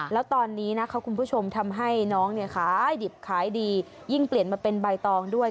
แล้วตอนนี้นะคะคุณผู้ชมทำให้น้องเนี่ยขายดิบขายดียิ่งเปลี่ยนมาเป็นใบตองด้วย